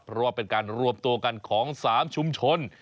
เพราะว่าเป็นการรวมตัวกันของ๓ชุมชน